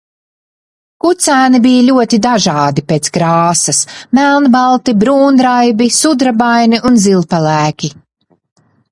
Kucēni bija ļoti dažādi pēc krāsas - melnbalti, brūnraibi, sudrabaini un zilpelēki.